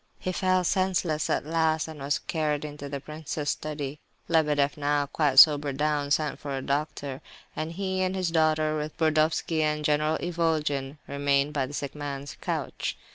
He fell senseless at last—and was carried into the prince's study. Lebedeff, now quite sobered down, sent for a doctor; and he and his daughter, with Burdovsky and General Ivolgin, remained by the sick man's couch.